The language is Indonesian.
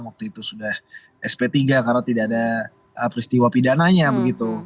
waktu itu sudah sp tiga karena tidak ada peristiwa pidananya begitu